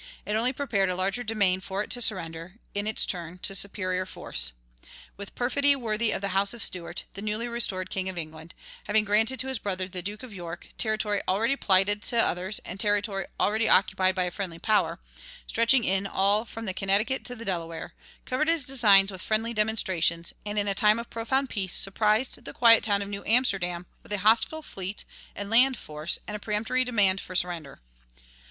It only prepared a larger domain for it to surrender, in its turn, to superior force. With perfidy worthy of the House of Stuart, the newly restored king of England, having granted to his brother, the Duke of York, territory already plighted to others and territory already occupied by a friendly power, stretching in all from the Connecticut to the Delaware, covered his designs with friendly demonstrations, and in a time of profound peace surprised the quiet town of New Amsterdam with a hostile fleet and land force and a peremptory demand for surrender.